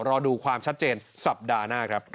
รอดูความชัดเจนสัปดาห์หน้าครับ